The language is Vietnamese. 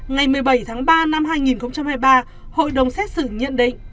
ngày một mươi bảy tháng ba năm hai nghìn hai mươi ba hội đồng xét xử nhận định